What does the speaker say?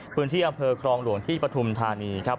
พื้นที่อาเภอครองหลวงที่ประทุมธานี